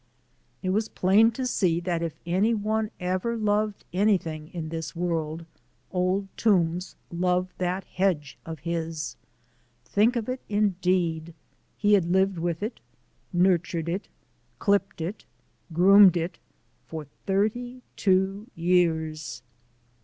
It was plain to see that if any one ever loved anything in this world, Old Toombs loved that hedge of his. Think of it, indeed! He had lived with it, nurtured it, clipped it, groomed it for thirty two years.